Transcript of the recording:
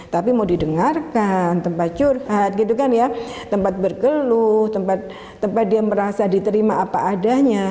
tapi mau didengarkan tempat curhat gitu kan ya tempat berkeluh tempat dia merasa diterima apa adanya